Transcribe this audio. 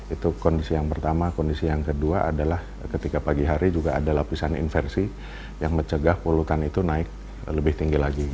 itu kondisi yang pertama kondisi yang kedua adalah ketika pagi hari juga ada lapisan inversi yang mencegah polutan itu naik lebih tinggi lagi